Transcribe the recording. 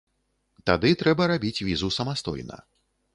Тады трэба рабіць візу самастойна.